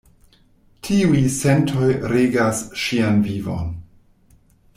Tiuj sentoj regas ŝian vivon.